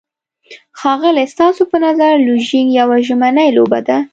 ښاغلی، ستاسو په نظر لوژینګ یوه ژمنی لوبه ده؟